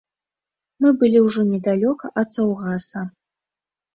Мы былі ўжо недалёка ад саўгаса.